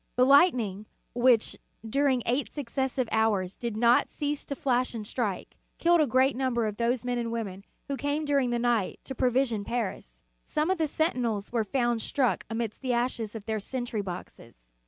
The lightning, which, during eight successive hours, did not cease to flash and strike, killed a great number of those men and women who came during the night to provision Paris. Some of the sentinels were found struck amidst the ashes of their sentry boxes.